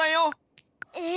え